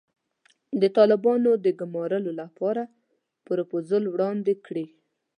د طالبانو د ګومارلو لپاره پروفوزل وړاندې کړي.